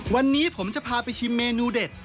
วันนี้ผมจะพาไปชิมเมนูเด็ด